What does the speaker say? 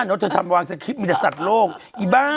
น้องจะทำวางสัตว์คลิปมีแต่สัตว์โลกอีบ้า